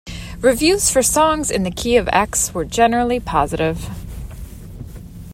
Reviews for "Songs in the Key of X" were generally positive.